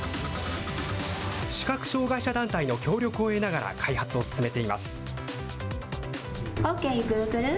視覚障害者団体の協力を得ながら開発を進めています。